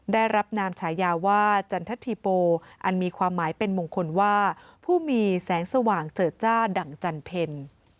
ได้รับนามฉายาว่าจันทธิโปอันมีความหมายเป็นมงคลว่าผู้มีแสงสว่างเจิดจ้าดั่งจันเพ็ญ